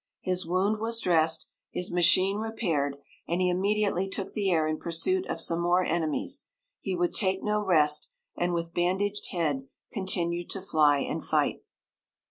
His wound was dressed, his machine repaired, and he immediately took the air in pursuit of some more enemies. He would take no rest, and with bandaged head continued to fly and fight.